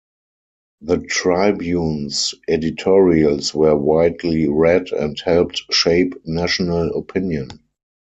The "Tribune"s editorials were widely read and helped shape national opinion.